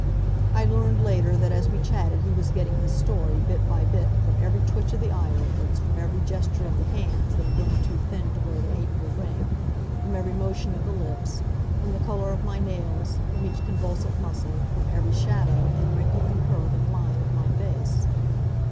I learned later that as we chatted he was getting his story, bit by bit, from every twitch of the eyelids, from every gesture of the hands that had grown too thin to wear the hateful ring; from every motion of the lips; from the color of my nails; from each convulsive muscle; from every shadow, and wrinkle and curve and line of my face.